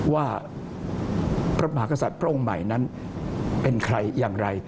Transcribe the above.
ว่าพระมหากษัตริย์พระองค์ใหม่นั้นเป็นใครอย่างไร